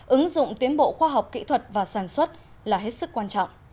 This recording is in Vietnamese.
ứng dụng tiến bộ khoa học kỹ thuật và sản xuất là hết sức quan trọng